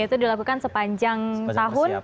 itu dilakukan sepanjang tahun